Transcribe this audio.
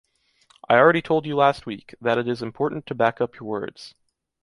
I already told you last week, that it is important to back up your words.